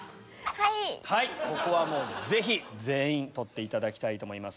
ここはぜひ全員取っていただきたいと思います。